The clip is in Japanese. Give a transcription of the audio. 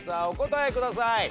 お答えください。